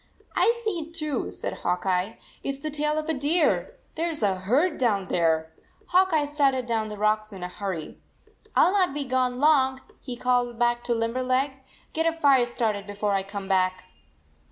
" I see it, too," said Hawk Eye. "It s the tail of a deer. There s a herd down there !" Hawk Eye started down the rocks in a hurry. "I ll not be gone long," he called 79 back to Limberleg. " Get a fire started be fore I come back."